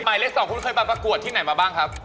หมายเลข๒คุณเคยมาประกวดที่ไหนมาบ้างครับ